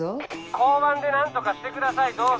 交番で何とかしてくださいどうぞ。